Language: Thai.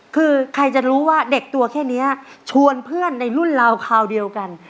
คือใครจะรู้ว่าเด็กตัวแค่นี้ชวนเพื่อนในรุ่นเราคราวเดียวกัน